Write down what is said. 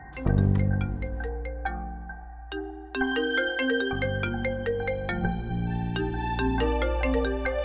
gue juga harus hati hati